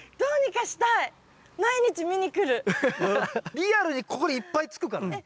リアルにここにいっぱいつくからね。